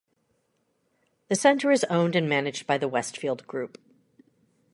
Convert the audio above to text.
The centre is owned and managed by The Westfield Group.